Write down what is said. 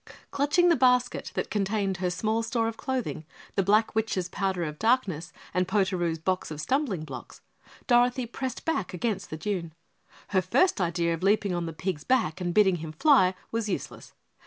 Clutching the basket that contained her small store of clothing, the Black Witch's powder of darkness, and Potaroo's box of stumbling blocks, Dorothy pressed back against the dune. Her first idea of leaping on the pig's back and bidding him fly was useless.